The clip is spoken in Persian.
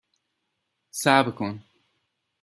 صبر کن